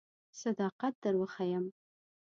صداقت در وښیم.